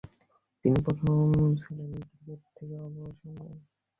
তিনি প্রথম-শ্রেণীর ক্রিকেট থেকে অবসর নেন।